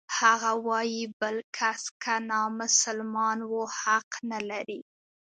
هغه وايي بل کس که نامسلمان و حق نلري.